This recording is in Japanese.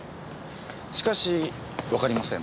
しかしわかりません。